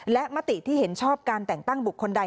และมติที่เห็นชอบการแต่งตั้งบุคคลใด